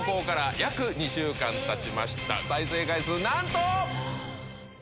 再生回数なんと！